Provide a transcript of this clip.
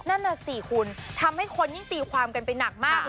นั่นน่ะสิคุณทำให้คนยิ่งตีความกันไปหนักมากเลย